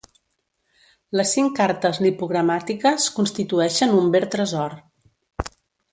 Les cinc cartes lipogramàtiques constitueixen un ver tresor.